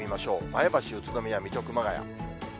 前橋、宇都宮、水戸、熊谷。